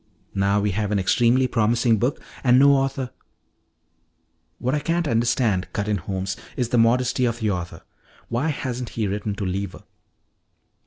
"Now we have an extremely promising book and no author " "What I can't understand," cut in Holmes, "is the modesty of the author. Why hasn't he written to Lever?"